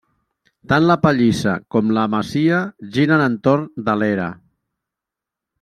Tant la pallissa com la masia giren entorn de l'era.